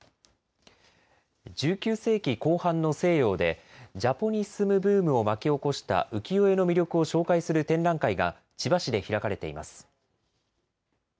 １９世紀後半の西洋で、ジャポニスムブームを巻き起こした浮世絵の魅力を紹介する展覧会が千葉市で開かれています。